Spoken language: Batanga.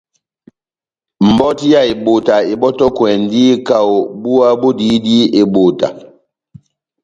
Mbɔti ya ebota ebɔ́tɔkwɛndi kaho búwa bodihidi ebota.